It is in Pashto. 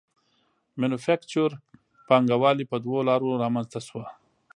مینوفکچور پانګوالي په دوو لارو رامنځته شوه